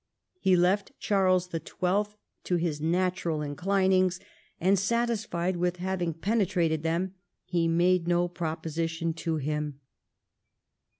' He left Charles the Twelfth to his natural inclinings, and satisfied with having penetrated them, he made no proposition to him.'